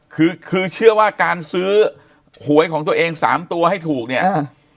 คือคือเชื่อว่าการซื้อหวยของตัวเองสามตัวให้ถูกเนี่ยอ่า